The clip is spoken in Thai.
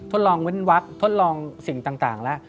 ทดลองเว้นวักทดลองสิ่งต่างแล้ว